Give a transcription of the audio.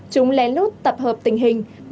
chúng lén lút tập hợp tình hình